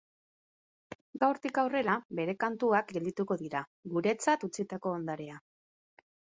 Gaurtik aurrera, bere kantuak geldituko dira, guretzat utzitako ondarea.